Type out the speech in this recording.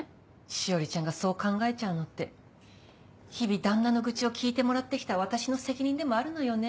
志織ちゃんがそう考えちゃうのって日々旦那の愚痴を聞いてもらってきた私の責任でもあるのよね。